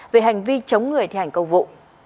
về hành vi chống người thi hành cầu vụ